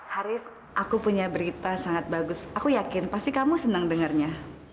harif aku punya berita sangat bagus aku yakin pasti kamu senang dengarnya